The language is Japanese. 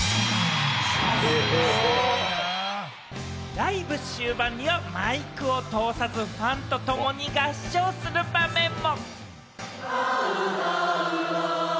ライブ終盤にはマイクを通さず、ファンと共に合唱する場面も。